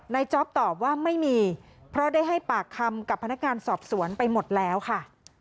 จ๊อปตอบว่าไม่มีเพราะได้ให้ปากคำกับพนักงานสอบสวนไปหมดแล้วค่ะ